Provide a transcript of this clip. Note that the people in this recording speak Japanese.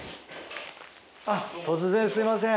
あっ突然すいません。